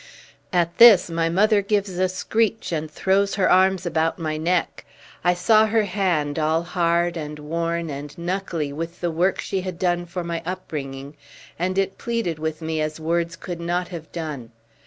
At this my mother gives a screech and throws her arms about my neck. I saw her hand, all hard and worn and knuckly with the work she had done for my up bringing, and it pleaded with me as words could not have done.